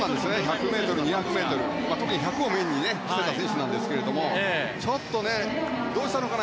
１００ｍ、２００ｍで特に１００ｍをメインにしていた選手ですがちょっとどうしたのかな？